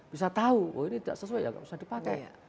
bisa tahu oh ini tidak sesuai ya nggak usah dipakai